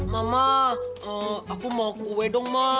mama aku mau kue dong mah